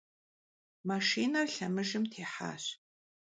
Maşşiner lhemıjjım têhaş.